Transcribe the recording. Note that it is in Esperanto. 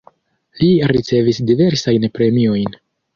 Li ricevis diversajn premiojn.